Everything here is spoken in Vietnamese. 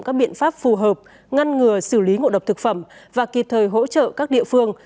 các biện pháp phù hợp ngăn ngừa xử lý ngộ độc thực phẩm và kịp thời hỗ trợ các địa phương